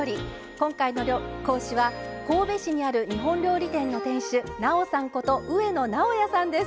今回の講師は神戸市にある日本料理店の店主なおさんこと上野直哉さんです。